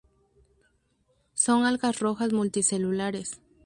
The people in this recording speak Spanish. Son algas rojas multicelulares.